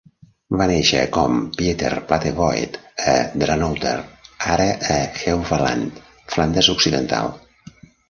Va néixer com Pieter Platevoet a Dranouter, ara a Heuvelland, Flandes Occidental.